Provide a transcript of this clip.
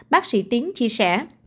bác sĩ tiến chia sẻ